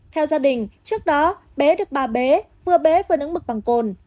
theo gia đình trước đó bé được ba bé vừa bé vừa nững mực bằng cồn